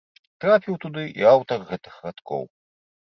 Трапіў туды і аўтар гэтых радкоў.